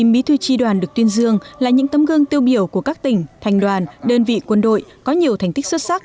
một mươi bí thư tri đoàn được tuyên dương là những tấm gương tiêu biểu của các tỉnh thành đoàn đơn vị quân đội có nhiều thành tích xuất sắc